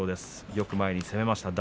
よく前に攻めました。